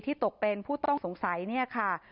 ตกเป็นผู้ต้องสงสัยเนี่ยค่ะ